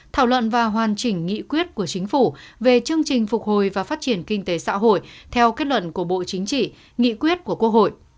thảo luận và hoàn chỉnh nghị quyết của chính phủ về chương trình phục hồi và phát triển kinh tế xã hội theo kết luận của bộ chính trị nghị quyết của quốc hội